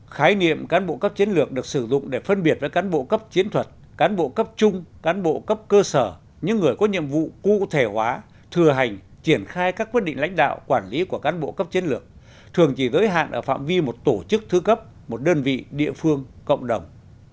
khái niệm cán bộ cấp chiến lược được sử dụng để phân biệt với cán bộ cấp chiến thuật cán bộ cấp trung cán bộ cấp cơ sở những người có nhiệm vụ cụ thể hóa thừa hành triển khai các quyết định lãnh đạo quản lý của cán bộ cấp chiến lược thường chỉ giới hạn ở phạm vi một tổ chức thứ cấp một đơn vị địa phương cộng đồng